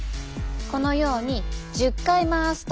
このように１０回回すと。